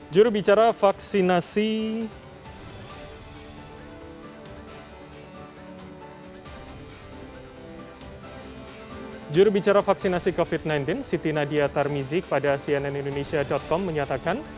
jurubicara vaksinasi covid sembilan belas siti nadia tarmizik pada cnn indonesia com menyatakan